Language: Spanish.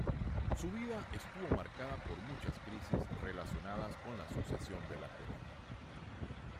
Su vida estuvo marcada por muchas crisis relacionadas con la sucesión de la corona.